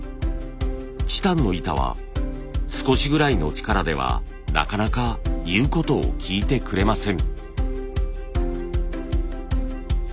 チタンの板は少しぐらいの力ではなかなかいうことを聞いてくれません。